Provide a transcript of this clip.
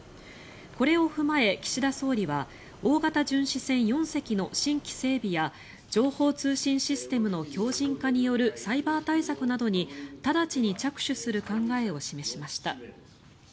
これを踏まえ、岸田総理は大型巡視船４隻の新規整備や情報通信システムの強じん化によるサイバー対策などに直ちに着手する考えを示しました。